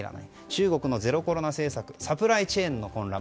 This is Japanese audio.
中国のゼロコロナ政策サプライチェーンの混乱。